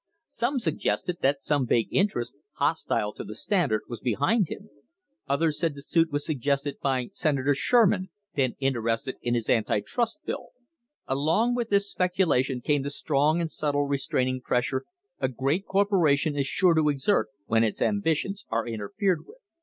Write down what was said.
Some suggested that some big interest, hostile to the Standard, was behind him; others said the suit was suggested by Senator Sherman, then interested in his anti trust bill. Along with this speculation came the strong and subtle re straining pressure a great corporation is sure to exert when its ambitions are interfered with.